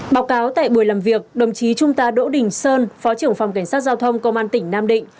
báo cáo tại buổi làm việc đồng chí trung tá đỗ đình sơn phó trưởng phòng cảnh sát giao thông công an tỉnh nam định